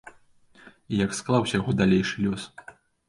Як склаўся яго далейшы лёс?